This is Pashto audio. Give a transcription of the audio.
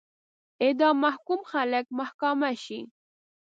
اعدام محکوم خلک محاکمه شي.